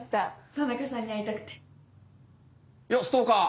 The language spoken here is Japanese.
・田中さんに会いたくて・よっストーカー！